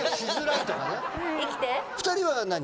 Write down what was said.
２人は何？